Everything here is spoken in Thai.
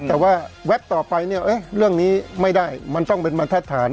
แต่ว่าแวบต่อไปเนี่ยเรื่องนี้ไม่ได้มันต้องเป็นบรรทัศน์